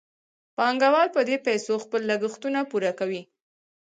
پانګوال په دې پیسو خپل لګښتونه پوره کوي